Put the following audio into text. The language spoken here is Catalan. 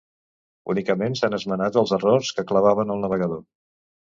Únicament s'han esmenat els errors que clavaven el navegador.